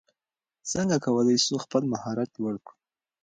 څنګه کولای سو خپل مهارت لوړ کړو؟